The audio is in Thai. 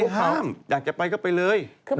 ไม่ได้ห้ามอยากจะไปก็ไปเลย